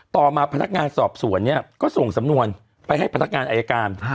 ต่อมาพนักงานสอบสวนเนี่ยก็ส่งสำนวนไปให้พนักงานอายการ